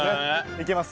いけます。